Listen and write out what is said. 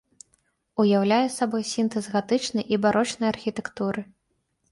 Уяўляе сабой сінтэз гатычнай і барочнай архітэктуры.